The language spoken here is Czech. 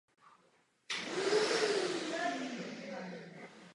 Jeho manželka a rodina sdílejí jeho osud.